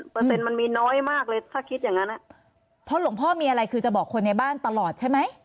มันมีน้อยมากเลยถ้าคิดอย่างนั้นเพราะหลวงพ่อมีอะไรคือจะบอกคนในบ้านตลอดใช่ไหม